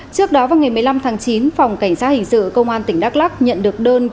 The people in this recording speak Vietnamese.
trước đó vào ngày một mươi năm tháng chín phòng cảnh sát hình sự công an tỉnh đắk lắc nhận được đơn